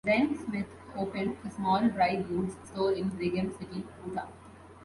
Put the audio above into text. "Ren" Smith opened a small dry goods store in Brigham City, Utah.